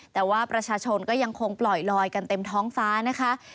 แต่ว่าประชาชนก็ยังคงปล่อยลอยกันเต็มท้องฟ้านะคะ